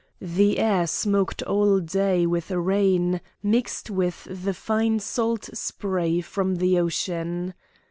The air smoked all day with rain mixed with the fine salt spray from the ocean.